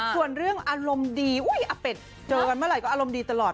ส่วนเรื่องอารมณ์ดีอาเป็ดเจอกันเมื่อไหร่ก็อารมณ์ดีตลอด